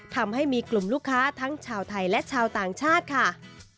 ทำให้มีกลุ่มลูกค้าทั้งชาวไทยและชาวต่างชาติค่ะ